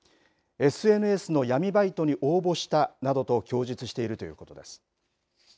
ＳＮＳの闇バイトに応募したなどと供述しているということです。